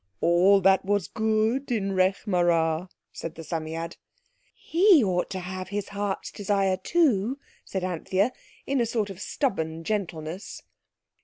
"All that was good in Rekh marā," said the Psammead. "He ought to have his heart's desire, too," said Anthea, in a sort of stubborn gentleness.